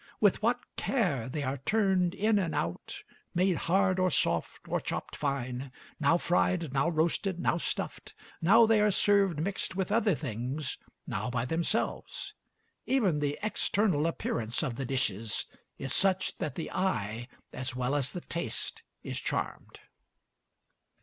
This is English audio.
with what care they are turned in and out, made hard or soft, or chopped fine; now fried, now roasted, now stuffed; now they are served mixed with other things, now by themselves. Even the external appearance of the dishes is such that the eye, as well as the taste, is charmed....